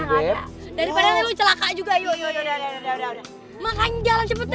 udah lah kal